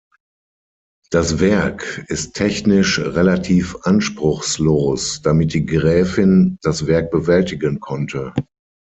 Das Werk ist technisch relativ anspruchslos, damit die Gräfin das Werk bewältigen konnte.